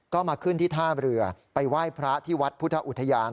ก็มาขึ้นที่ท่าเรือไปไหว้พระที่วัดพุทธอุทยาน